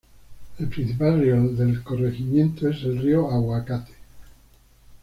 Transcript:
El principal río del corregimiento es el río Aguacate.